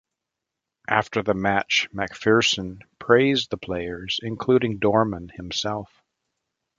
After the match, MacPherson praised the players, including Dorman, himself.